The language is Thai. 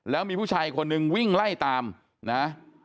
แล้วมีผู้ชายคนหนึ่งวิ่งไล่ตามนะครับ